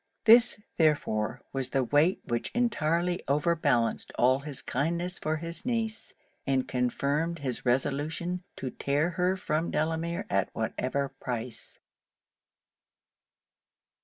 This, therefore, was the weight which entirely over balanced all his kindness for his niece, and confirmed his resolution to tear her from Delamere at whatever price.